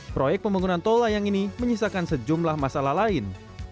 proyek pembangunan tol layang ini menyisakan sejumlah masalah lain